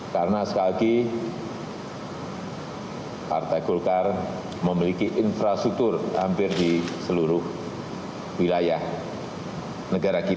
karena sekali lagi partai gulkar memiliki infrastruktur hampir di seluruh wilayah negara kita